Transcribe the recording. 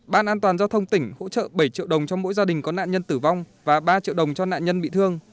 ban an toàn giao thông tỉnh hỗ trợ bảy triệu đồng cho mỗi gia đình có nạn nhân tử vong và ba triệu đồng cho nạn nhân bị thương